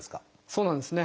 そうなんですね。